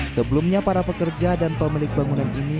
sebelumnya para pekerja dan pemilik bangunan ini